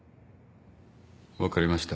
分かりました。